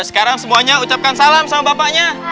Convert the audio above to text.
sekarang semuanya ucapkan salam sama bapaknya